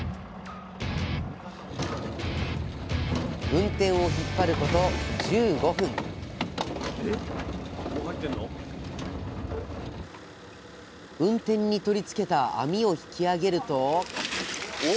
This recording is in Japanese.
ウンテンを引っ張ること１５分ウンテンに取り付けた網を引き揚げるとお！